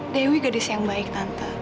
dewi gadis yang baik tante